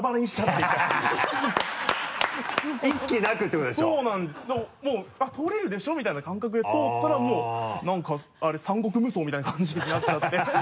だからもう通れるでしょみたいな感覚で通ったらもう何か三國無双みたいな感じになっちゃって。